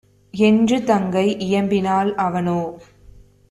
என்று தங்கை இயம்பினாள். அவனோ